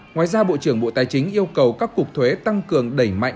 ngoài ra bộ trưởng bộ tài chính yêu cầu các cục thuế tăng cường đẩy mạnh